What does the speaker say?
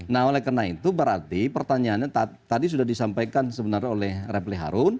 nah oleh karena itu berarti pertanyaannya tadi sudah disampaikan sebenarnya oleh repli harun